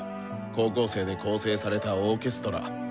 高校生で構成されたオーケストラ。